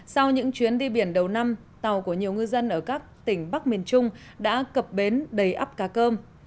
sau những chuyến đi biển đầu năm tàu của nhiều ngư dân ở các tỉnh bắc miền trung đã cập bến đầy ắp cá cơm